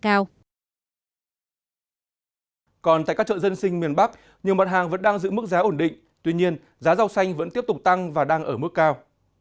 còn tại các chợ dân sinh miền bắc nhiều mặt hàng vẫn đang giữ mức giá ổn định tuy nhiên giá rau xanh vẫn tiếp tục tăng và đang ở mức cao